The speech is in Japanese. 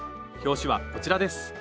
表紙はこちらです